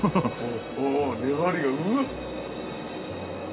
おぉ粘りがうわっ！